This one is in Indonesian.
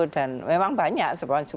dan memang banyak